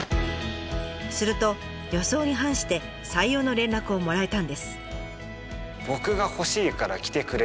すると予想に反して採用の連絡をもらえたんです。